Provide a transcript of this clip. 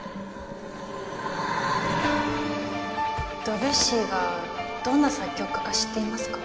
ドビュッシーがどんな作曲家か知っていますか？